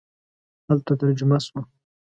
هلته ترجمه شو.